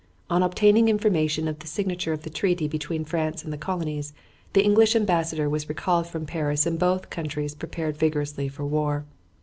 On obtaining information of the signature of the treaty between France and the colonies, the English ambassador was recalled from Paris and both countries prepared vigorously for war.